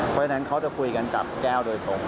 เพราะฉะนั้นเขาจะคุยกันกับแก้วโดยตรง